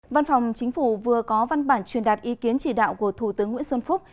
văn phòng chính phủ vừa có văn bản truyền đạt ý kiến chỉ đạo của thủ tướng nguyễn xuân phúc